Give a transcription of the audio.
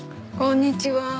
こんにちは。